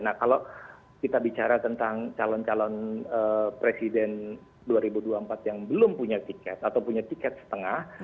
nah kalau kita bicara tentang calon calon presiden dua ribu dua puluh empat yang belum punya tiket atau punya tiket setengah